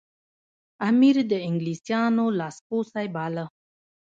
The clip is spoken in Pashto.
امیر د انګلیسیانو لاس پوڅی باله.